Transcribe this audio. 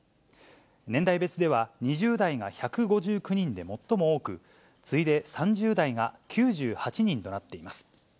年代別では２０代が１５９人で最も多く、次いで３０代が９８人となっています。